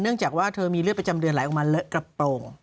จากว่าเธอมีเลือดประจำเดือนไหลออกมาเลอะกระโปรง